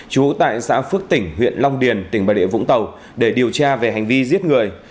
trú tại xã phước tỉnh huyện long điền tỉnh bà địa vũng tàu để điều tra về hành vi giết người